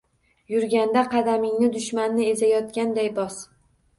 Yurganda qadamingni dushmanni ezayotganday bos.